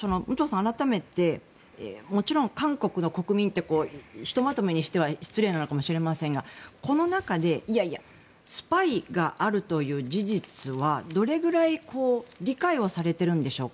改めてもちろん韓国の国民ってひとまとめにしては失礼かもしれませんがこの中でスパイがあるという事実はどれくらい理解をされているんでしょうか。